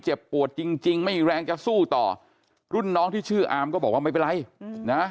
ปวดจริงจริงไม่มีแรงจะสู้ต่อรุ่นน้องที่ชื่ออามก็บอกว่าไม่เป็นไรนะ